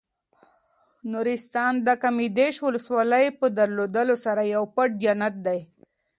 نورستان د کامدېش ولسوالۍ په درلودلو سره یو پټ جنت دی.